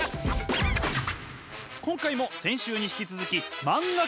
今回も先週に引き続き漫画家編。